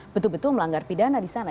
betul betul melanggar pidana di sana